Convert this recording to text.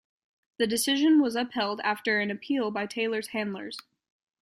The decision was upheld after an appeal by Taylor's handlers.